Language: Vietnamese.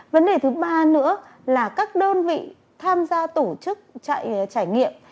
vấn đề thứ ba nữa là các đơn vị tham gia tổ chức chạy trải nghiệm